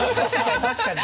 確かに！